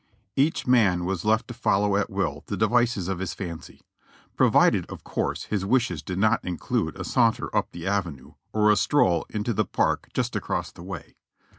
Each man was left to follow at will the devices of his fancy, provided of course his wishes did not include a saunter up the Avenue or a stroll into the park just across the way.